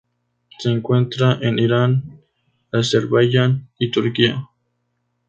Se encuentra en Irán Azerbaijan y Turquía.